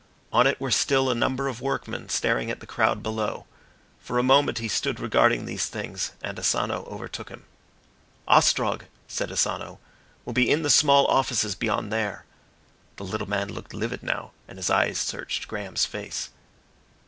On it were still a number of workmen staring at the crowd below. For a moment he stood regarding these things, and Asano overtook him. "Ostrog," said Asano, "will be in the small offices beyond there." The little man looked livid now and his eyes searched Graham's face.